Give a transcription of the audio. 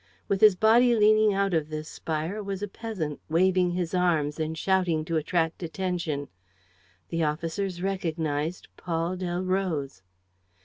With his body leaning out of this spire was a peasant, waving his arms and shouting to attract attention. The officers recognized Paul Delroze.